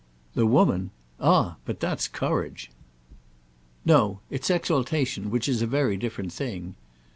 "The woman? Ah but that's courage." "No—it's exaltation, which is a very different thing.